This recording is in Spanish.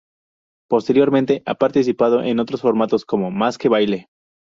Posteriormente ha participado en otros formatos como "¡Más que baile!